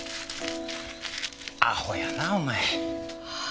アホやなあお前。